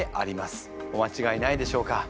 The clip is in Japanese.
お間違えないでしょうか？